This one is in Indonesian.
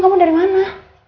kamu dari mana